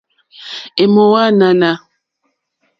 È mò ànànà.